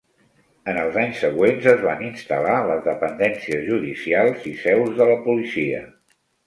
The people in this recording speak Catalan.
En els anys següents es van instal·lar les dependències judicials i seus de la policia.